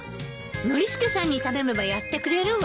ノリスケさんに頼めばやってくれるわ。